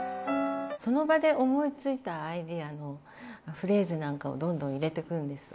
その場で思いついたアイデアのフレーズなんかをどんどん入れていくんです。